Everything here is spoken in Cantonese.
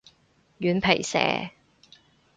軟皮蛇